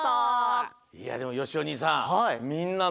いやでもよしおにいさん。